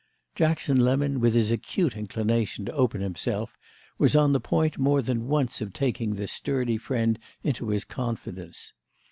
Jackson Lemon, with his acute inclination to open himself, was on the point more than once of taking this sturdy friend into his confidence.